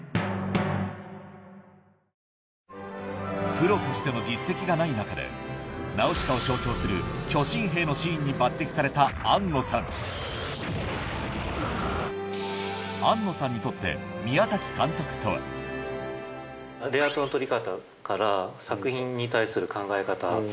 プロとしての実績がない中で『ナウシカ』を象徴する巨神兵のシーンに抜てきされた庵野さんレイアウトの取り方から作品に対する考え方